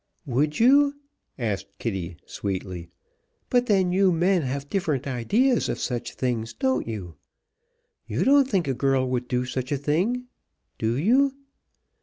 "Would you?" asked Kitty, sweetly. "But then you men have different ideas of such things, don't you? You don't think a girl would do such a thing, do you?